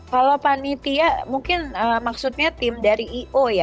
kalau panitia mungkin maksudnya tim dari i o ya